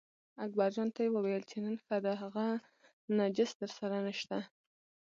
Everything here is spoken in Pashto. اکبرجان ته یې وویل چې نن ښه ده هغه نجس درسره نشته.